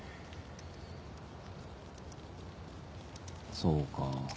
そうか。